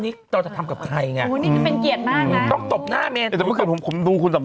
นี่ฉันถือมันจะตบหน้าฉันฝันหรือเปล่า